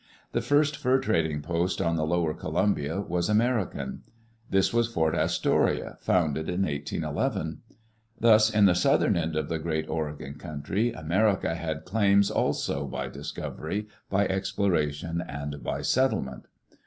The first fur trading post on the lower Columbia was American. This was Fort Astoria, founded in 1811. Thus, in the southern end of the great Oregon country, America had claims also by dis covery, by exploration, and by settlement.